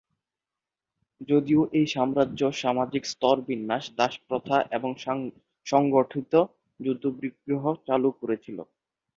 যদিও এই সাম্রাজ্য সামাজিক স্তর বিন্যাস, দাসপ্রথা এবং সংগঠিত যুদ্ধবিগ্রহ চালু করে ছিল।